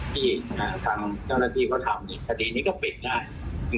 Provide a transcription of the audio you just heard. ที่ทางเจ้าหน้าที่เขาทำคดีนี้ก็ปิดได้